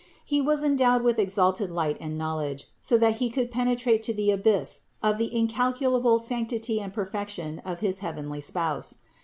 He was endowed with exalted light and knowledge, so that he could penetrate to the abyss of the incalculable sanc tity and perfection of his heavenly Spouse.